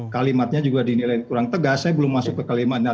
kalimatnya juga dinilai kurang tegas saya belum masuk ke kalimatnya